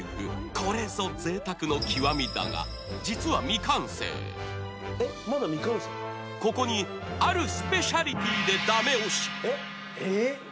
これぞぜいたくの極みだが実はここにあるスペシャリティーでダメ押しえっ？